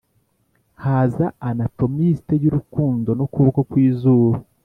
haza anatomiste y'urukundo n'ukuboko kwizuba